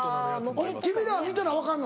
君らは見たら分かるの？